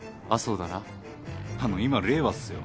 あの今令和っすよ？